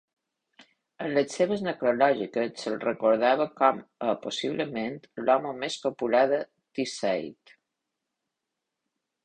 En les seves necrològiques, se'l recordava com a "possiblement l'home més popular de Teesside".